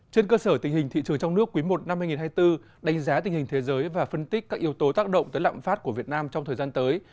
trên cơ sở tình hình thị trường trong nước quý i năm hai nghìn hai mươi bốn đánh giá tình hình thế giới và phân tích các yếu tố tác động tới lạm phát của việt nam trong thời gian tới